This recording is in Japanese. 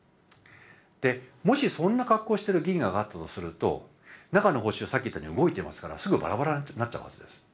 でもしそんな格好してる銀河があったとすると中の星はさっき言ったように動いてますからすぐバラバラになっちゃうはずです。